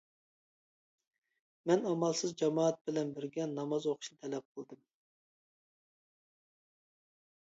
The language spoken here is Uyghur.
مەن ئامالسىز جامائەت بىلەن بىرگە ناماز ئوقۇشنى تەلەپ قىلدىم.